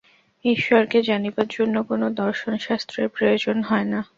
ঈশ্বরকে জানিবার জন্য কোন দর্শনশাস্ত্রের প্রয়োজন হয় না।